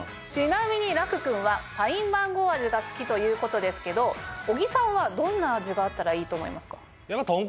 ちなみに楽くんはパインマンゴー味が好きということですけど小木さんはどんな味があったらいいと思いますか？